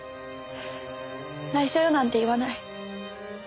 「内緒よ」なんて言わない。